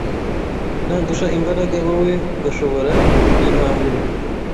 nandusha imbaraga wowe ugashobora kuyimwambura